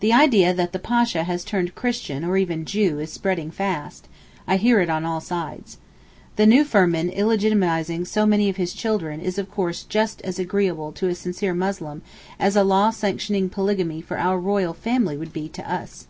The idea that the Pasha has turned Christian or even Jew is spreading fast; I hear it on all sides. The new firman illegitimatising so many of his children is of course just as agreeable to a sincere Moslem as a law sanctioning polygamy for our royal family would be with us.